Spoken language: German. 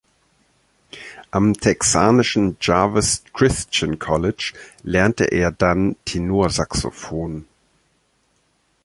Am texanischen "Jarvis Christian College" lernte er dann Tenorsaxophon.